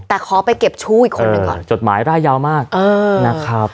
แต่ขอไปเก็บชู้อีกคนหนึ่งก่อนจดหมายร่ายยาวมากนะครับ